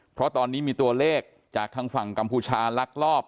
เพราะตอนนี้มีตัวเลขจากทางฝั่งกัมพูชาลักลอบ